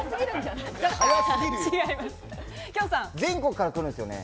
全国から来るんですよね？